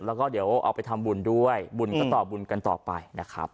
แล้วก็เดี๋ยวเอาไปทำบุญด้วยบุญก็ต่อบุญกันต่อไปนะครับ